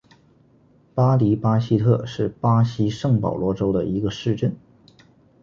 巴迪巴西特是巴西圣保罗州的一个市镇。